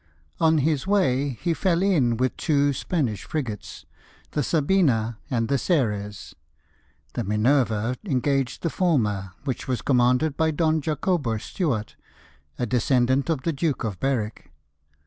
On his way he fell in with two Spanish frigates, the Sabina and the Ceres. The Minerve engaged the former, which was commanded by Don Jacobo Stuart, a descendant of the Duke of Berwick.